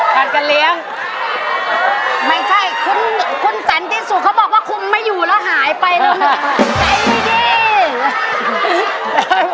ผ่านการเลี้ยงไม่ใช่คุณคุณแสนที่สุดเขาบอกว่าคุมไม่อยู่แล้วหายไปแล้ว